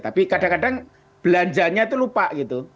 tapi kadang kadang belanjanya itu lupa gitu